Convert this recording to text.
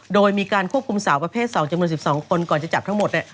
โดยมีการควบคุมสาวประเภท๒จำนวน๑๒คนก่อนจะจับทั้งหมด